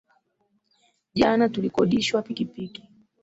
Jana tulikodishwa pikipiki